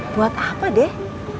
buat apa deh